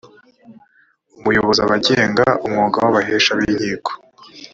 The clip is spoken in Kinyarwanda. umuyobozi aba agenga umwuga w abahesha b inkiko